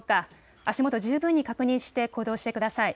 足元、十分に確認して行動してください。